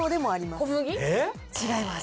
違います